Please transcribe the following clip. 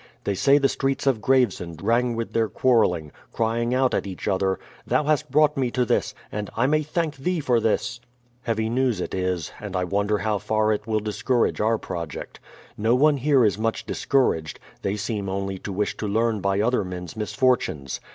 They say the streets of Gravesend rang with their quar reling, crying out at each other : "Thou hast brought me to this ;" and, "I may thank thee for this !" Heavy news it is, and I wonder how far it will discourage our project. No one here is much dis couraged; they seem only to wish to learn by other men's mis fortunes.